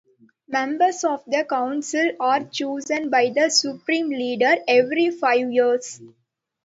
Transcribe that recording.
Members of the council are chosen by the Supreme Leader every five years.